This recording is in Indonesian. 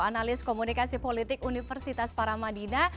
analis komunikasi politik universitas paramadina